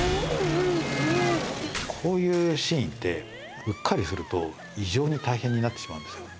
こういうシーンってうっかりすると異常に大変になってしまうんですよね。